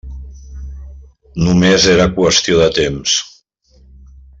Només era qüestió de temps.